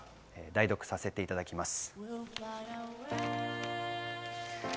代読させていただきます。